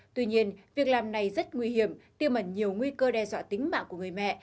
tuy nhiên việc làm này rất nguy hiểm tiêm ẩn nhiều nguy cơ đe dọa tính mạng của người mẹ